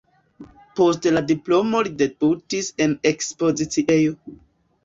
Post la diplomo li debutis en ekspoziciejo.